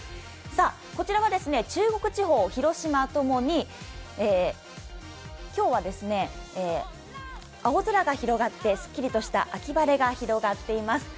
こちらは中国地方、広島ともに今日は青空が広がってすっきりとした秋晴れが広がっています。